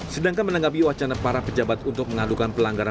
sedangkan menanggapi wacana para pejabat untuk mengadukan pelanggaran